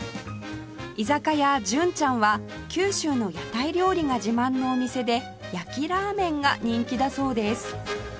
居酒屋純ちゃんは九州の屋台料理が自慢のお店で焼きラーメンが人気だそうです